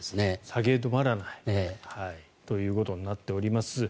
下げ止まらないということになっております。